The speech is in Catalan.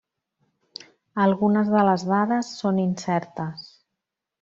Algunes de les dades són incertes.